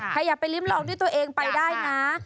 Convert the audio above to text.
ใครอยากไปริ้มลองด้วยตัวเองไปได้นะ